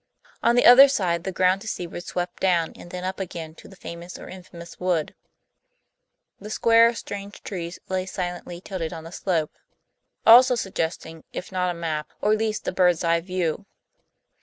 On the other side the ground to seaward swept down and then up again to the famous or infamous wood; the square of strange trees lay silently tilted on the slope, also suggesting, if not a map, or least a bird's eye view.